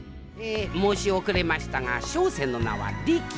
え申し遅れましたが小生の名はリキ。